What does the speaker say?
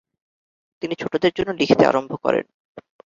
তিনি ছোটোদের জন্যে লিখতে আরম্ভ করেন।